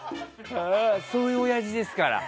そういう親父ですから。